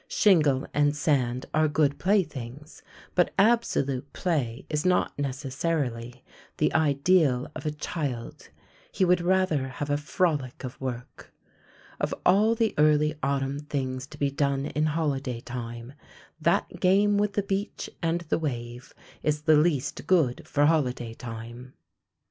Shingle and sand are good playthings, but absolute play is not necessarily the ideal of a child; he would rather have a frolic of work. Of all the early autumn things to be done in holiday time, that game with the beach and the wave is the least good for holiday time.